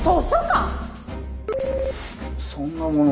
「そんなもの